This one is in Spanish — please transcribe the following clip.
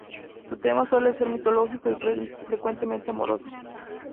Su tema suele ser mitológico y, frecuentemente, amoroso.